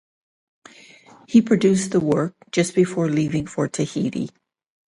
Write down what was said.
He produced the work just before leaving for Tahiti.